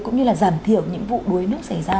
cũng như là giảm thiểu những vụ đuối nước xảy ra